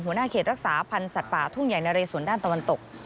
หัวหน้าเขตรักษาพันธ์สัตว์ป่าทุ่งใหญ่นะเรสวนด้านตะวันตก